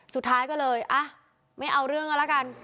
สุดท้ายก็เลยอ่ะไม่เอาเรื่องกันแล้วกัน